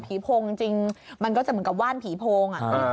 โพงจริงมันก็จะเหมือนกับว่านผีโพง